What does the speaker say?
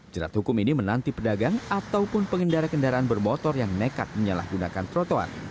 jerat hukum ini menanti pedagang ataupun pengendara kendaraan bermotor yang nekat menyalahgunakan trotoar